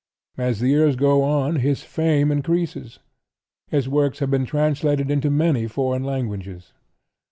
As the years go on his fame increases. His works have been translated into many foreign languages.